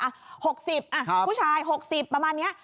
อ่ะ๖๐ผู้ชาย๖๐ประมาณเนี่ย